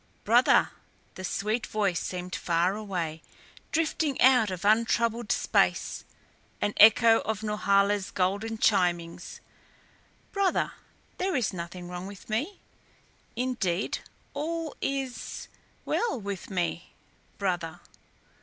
"Brother." The sweet voice seemed far away, drifting out of untroubled space, an echo of Norhala's golden chimings "Brother, there is nothing wrong with me. Indeed all is well with me brother."